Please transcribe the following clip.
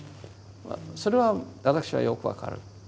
それは私はよく分かる。